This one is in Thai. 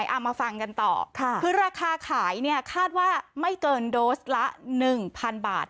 เอามาฟังกันต่อคือราคาขายเนี่ยคาดว่าไม่เกินโดสละ๑๐๐๐บาท